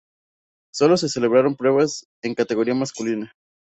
Sólo se celebraron pruebas en categoría masculina.